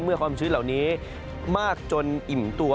ความชื้นเหล่านี้มากจนอิ่มตัว